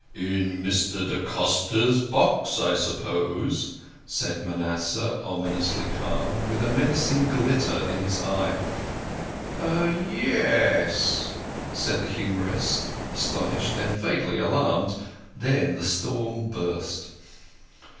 "In Mr. da Costa's box, I suppose?" said Manasseh, ominously calm, with a menacing glitter in his eye. "Ye es," said the humorist, astonished and vaguely alarmed. Then the storm burst.